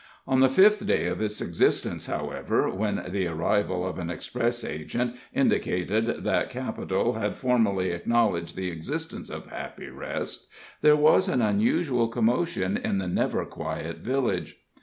On the fifth day of its existence, however, when the arrival of an express agent indicated that Capital had formally acknowledged the existence of Happy Rest, there was an unusual commotion in the never quiet village.